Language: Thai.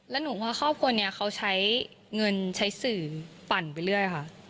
แล้วหนูว่าครอบครัวนี้เขาใช้เงินใช้สื่อปั่นไปเรื่อยค่ะ